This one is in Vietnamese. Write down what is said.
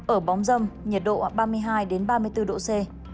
ở bóng dâm nhiệt độ ba mươi hai ba mươi bốn độ c